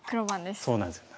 そうなんですよ。